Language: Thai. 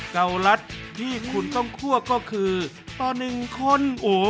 เกาลัดที่คุณต้องคั่วก็คือต่อ๑คน